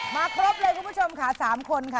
ครบเลยคุณผู้ชมค่ะ๓คนค่ะ